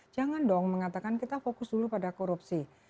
jangan dong mengatakan kita fokus dulu pada korupsi